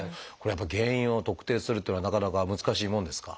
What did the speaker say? やっぱり原因を特定するというのはなかなか難しいもんですか？